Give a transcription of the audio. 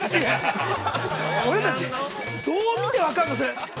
俺たち、どう見て分かるの、それ。